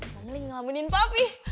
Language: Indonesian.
kamu lagi ngelamunin popi